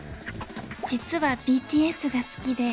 「実はＢＴＳが好きで」